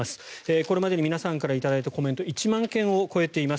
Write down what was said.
これまでに皆さんから頂いたコメント１万件を超えています。